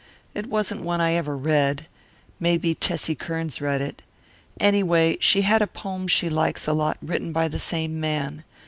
It wasn't one I ever read. Maybe Tessie Kearns read it. Anyway, she had a poem she likes a lot written by the same man.